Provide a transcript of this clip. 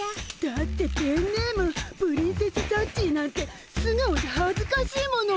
だってペンネームプリンセスサッチーなんてすがおじゃはずかしいもの。